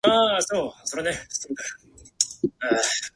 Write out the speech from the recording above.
こんにちは赤ちゃんあなたの泣き声